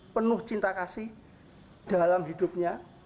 penuh cinta kasih dalam hidupnya